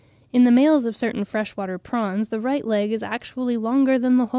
In the males of certain fresh water prawns (Palaemon) the right leg is actually longer than the whole body.